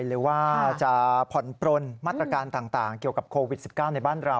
หรือว่าจะผ่อนปลนมาตรการต่างเกี่ยวกับโควิด๑๙ในบ้านเรา